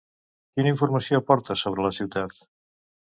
Quina informació aporta sobre la ciutat?